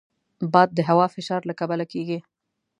باد د هوا فشار له کبله کېږي